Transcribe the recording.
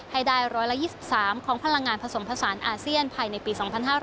ให้ได้๑๒๓ของพลังงานผสมผสานอาเซียนภายในปี๒๕๕๙